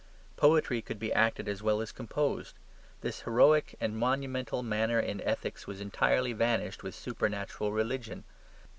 Poetry could be acted as well as composed. This heroic and monumental manner in ethics has entirely vanished with supernatural religion.